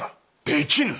できぬ！